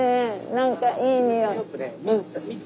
何かいい匂い。